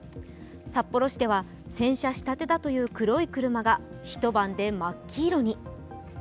札幌市では洗車したてだという黒い車が一晩で真っ黄色に。